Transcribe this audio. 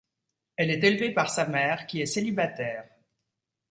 Elle est élevée par sa mère qui est célibataire.